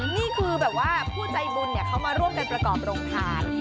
นี่คือผู้ใจบุญเขามาร่วมเป็นประกอบโรงทาน